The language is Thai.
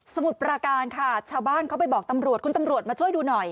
มุดปราการค่ะชาวบ้านเขาไปบอกตำรวจคุณตำรวจมาช่วยดูหน่อย